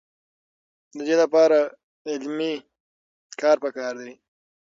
د دې لپاره علمي کار پکار دی.